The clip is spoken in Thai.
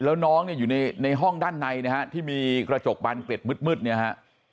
แล้วน้องเนี่ยอยู่ในห้องด้านในนะฮะที่มีกระจกบานเกล็ดมืดเนี่ยฮะ